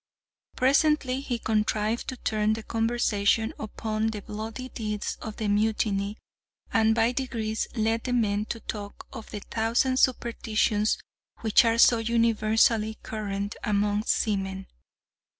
Presently he contrived to turn the conversation upon the bloody deeds of the mutiny, and by degrees led the men to talk of the thousand superstitions which are so universally current among seamen.